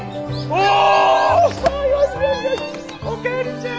おかえりちゃん！